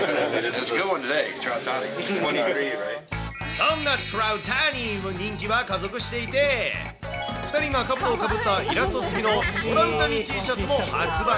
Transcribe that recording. そんなトラウタニの人気は過熱していて、２人がかぶとをかぶったイラスト付きのトラウタニＴシャツも発売。